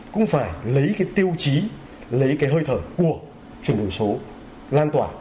cũng phải lấy cái tiêu chí lấy cái hơi thở của chuyển đổi số lan tỏa